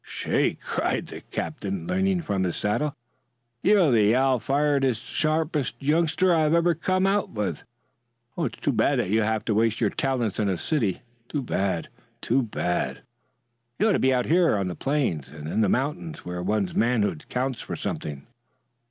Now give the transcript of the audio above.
"Shake!" cried the captain leaning from his saddle. "You're the alfiredest sharp youngster I've ever come up with. Oh, it's too bad that you have to waste your talents in a city! Too bad, too bad! You ought to be out here on the plains and in the mountains where one's manhood counts for something."